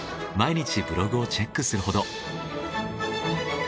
毎日ブログをチェックするほど。